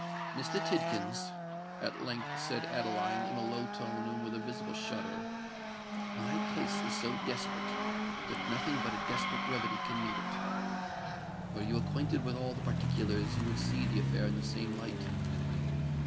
"Mr. Tidkins," at length said Adeline, in a low tone and with a visible shudder, "my case is so desperate that nothing but a desperate remedy can meet it. Were you acquainted with all the particulars, you would see the affair in the same light.